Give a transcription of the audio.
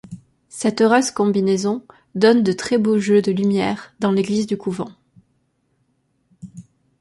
Cette heureuse combinaison donne de très beaux jeux de lumières dans l'église du couvent.